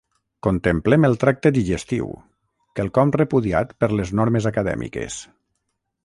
Contemplem el tracte digestiu, quelcom repudiat per les normes acadèmiques.